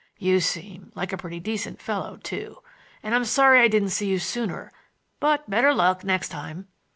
You seem like a pretty decent fellow, too, and I'm sorry I didn't see you sooner; but better luck next time."